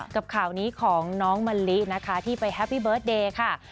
กับข่าวนี้ของน้องมะลินะคะที่ไปแฮปปี้เบิร์ตเดย์ค่ะ